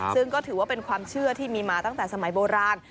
ซึ่งก็ถือว่าเป็นความเชื่อที่มีมาตั้งแต่สมัยโบราณ